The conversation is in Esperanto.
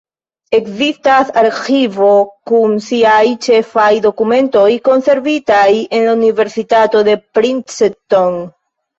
Ekzistas arĥivo kun siaj ĉefaj dokumentoj konservita en la Universitato de Princeton.